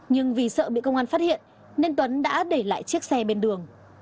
nhưng vì sợ bị công an phát hiện nên tuấn đã để lại chiếc xe bên đường